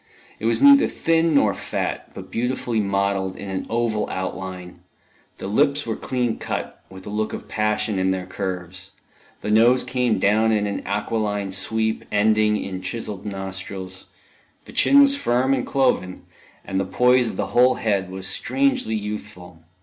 It was neither thin nor fat, but beautifully modelled in an oval outline: the lips were clean cut, with a look of passion in their curves; the nose came down in an aquiline sweep, ending in chiselled nostrils; the chin was firm and cloven, and the poise of the whole head was strangely youthful.